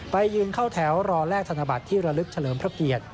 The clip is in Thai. ไปยืนเข้าแถวรอแลกธนบัตรที่ระลึกเฉลิมพระเกียรติ